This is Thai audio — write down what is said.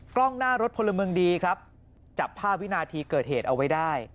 กล้องหน้ารถพลเมืองดีครับจับภาพวินาทีเกิดเหตุเอาไว้ได้